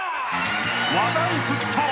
［話題沸騰！